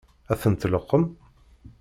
Ad tent-tleqqem?